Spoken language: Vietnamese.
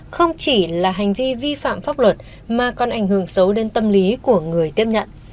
không chỉ là hành vi vi phạm pháp luật mà còn ảnh hưởng xấu đến tâm lý của người tiếp nhận